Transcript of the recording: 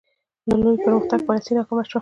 د لوی پرمختګ پالیسي ناکامه شوه.